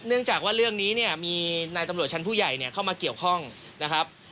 จากว่าเรื่องนี้เนี่ยมีนายตำรวจชั้นผู้ใหญ่เข้ามาเกี่ยวข้องนะครับ